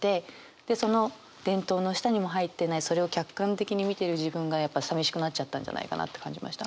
でその電灯の下にも入ってないそれを客観的に見てる自分がやっぱさみしくなっちゃったんじゃないかなって感じました。